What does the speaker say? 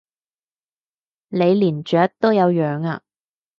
你連雀都有養啊？